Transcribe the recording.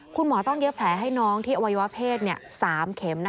คุณหมอต้องเย็บแผลให้น้องที่อวัยวะเพศ๓เข็ม